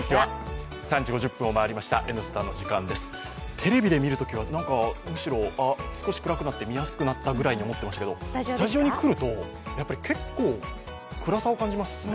テレビで見るときはむしろ、あ、少しくらくなって見やすくなったぐらいに思ってましたけど、スタジオに来るとやっぱり結構、暗さを感じますね。